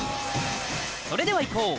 それでは行こう